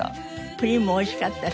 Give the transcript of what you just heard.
プリンも美味しかったし。